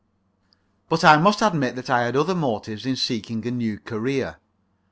But I admit that I had other motives in seeking a new career.